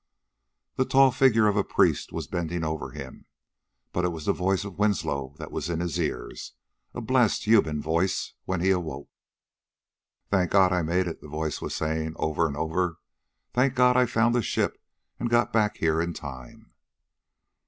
The tall figure of a priest was bending over him, but it was the voice of Winslow that was in his ears a blessed, human voice when he awoke. "Thank God, I made it," the voice was saying, over and over. "Thank God, I found the ship and got back here in time!"